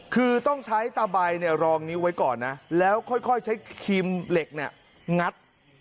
คือต้องใช้ตาใบรองนิ้วไว้ก่อนนะแล้วค่อยใช้ครีมเหล็กเนี่ยงัด